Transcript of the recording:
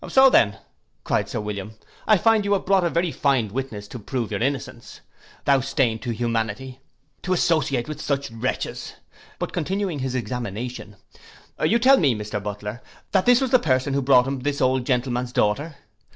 '—'So then,' cried Sir William, 'I find you have brought a very fine witness to prove your innocence: thou stain to humanity! to associate with such wretches!' (But continuing his examination) 'You tell me, Mr Butler, that this was the person who brought him this old gentleman's daughter.